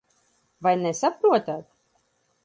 Vai nesaprotat?